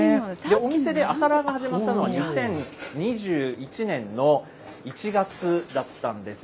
お店で朝ラーが始まったのは２０２１年の１月だったんです。